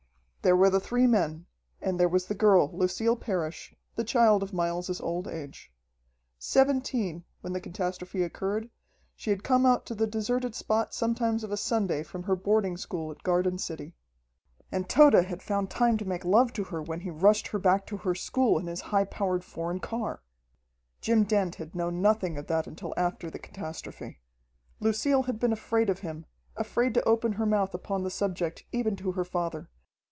There were the three men and there was the girl, Lucille Parrish, the child of Miles's old age. Seventeen, when the catastrophe occurred, she had come out to the deserted spot sometimes of a Sunday from her boarding school at Garden City. And Tode had found time to make love to her when he rushed her back to her school in his high powered foreign car! Jim Dent had known nothing of that until after the catastrophe. Lucille had been afraid of him, afraid to open her mouth upon the subject even to her father.